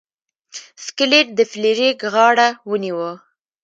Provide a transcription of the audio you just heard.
سکلیټ د فلیریک غاړه ونیوه.